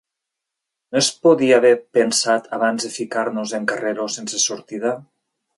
No es podia haver pensat abans de ficar-nos en carreró sense sortida?